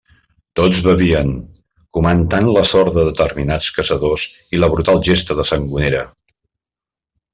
Tots bevien, comentant la sort de determinats caçadors i la brutal gesta de Sangonera.